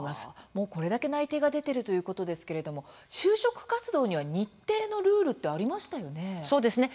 もうこれだけ内定が出ているということですけれども就職活動には日程のルールってありましたよね。